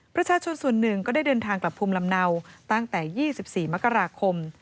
ประชาชนส่วนหนึ่งก็ได้เดินทางกลับภูมิลำเนาตั้งแต่๒๔มกราคม